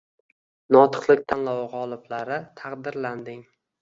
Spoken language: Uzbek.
Notiqlik tanlovi g‘oliblari taqdirlanding